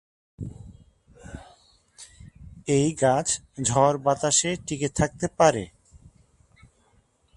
এই গাছ ঝড়-বাতাসে টিকে থাকতে পারে।